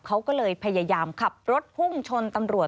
เขาก็เลยพยายามขับรถพุ่งชนตำรวจ